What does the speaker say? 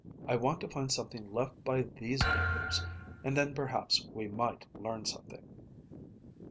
I want to find something left by these builders, and then perhaps we might learn something."